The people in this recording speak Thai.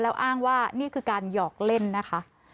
แล้วอ้างว่านี่คือการหยอกเล่นนะคะ